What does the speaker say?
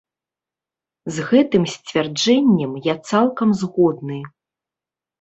З гэтым сцвярджэннем я цалкам згодны.